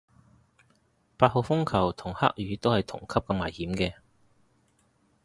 八號風球同黑雨都係同級咁危險嘅